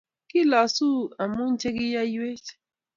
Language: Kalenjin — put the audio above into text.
Kilosu amu che kiyaiwech;